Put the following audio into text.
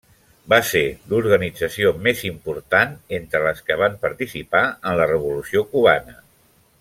Va ser l'organització més important entre les que van participar en la Revolució cubana.